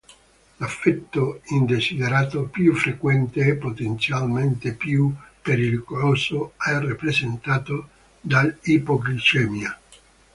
L'effetto indesiderato più frequente e potenzialmente più pericoloso è rappresentato dall'ipoglicemia.